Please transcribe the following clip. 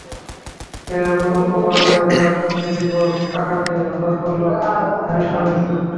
ক্যারিয়ারে প্রথম Copa America খেলার স্বপ্নে বিভোর কাকাকে হতাশ করল হ্যামস্ট্রিংয়ের চোট।